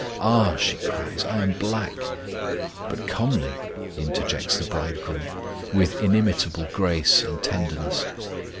"Ah," she cries, "I am black"; "But comely," interjects the Bridegroom, with inimitable grace and tenderness.